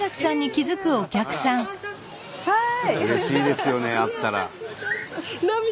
はい！